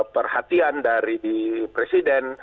perhatian dari presiden